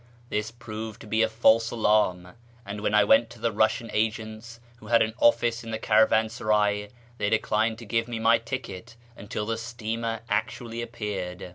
This proved to be a false alarm, and when I went to the Eussian agents (who had an office in the caravansaray) they declined to give me my ticket until the steamer actually appeared.